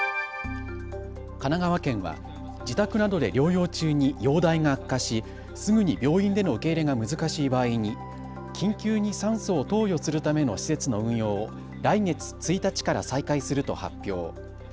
神奈川県は自宅などで療養中に容体が悪化しすぐに病院での受け入れが難しい場合に緊急に酸素を投与するための施設の運用を来月１日から再開すると発表。